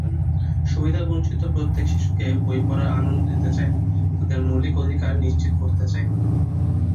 সুবিধাবঞ্চিত প্রত্যেক শিশুকে বইপড়ার আনন্দ দিতে চাই, তাদের মৌলিক অধিকার নিশ্চিত করতে চাই।